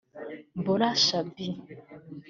Bola Shabi